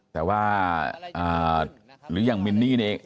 แต่ว่าหรืออย่างมินนี่นี่